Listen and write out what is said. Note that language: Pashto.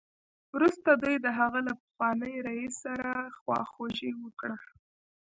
وروسته دوی د هغه له پخواني رییس سره خواخوږي وکړه